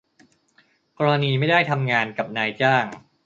กรณีไม่ได้ทำงานกับนายจ้าง